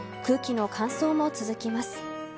空気の乾燥も続きます。